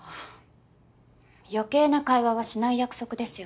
余計な会話はしない約束ですよね。